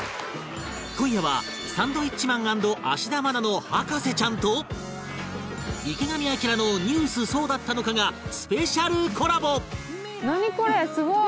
今夜は『サンドウィッチマン＆芦田愛菜の博士ちゃん』と『池上彰のニュースそうだったのか！！』がスペシャルコラボ！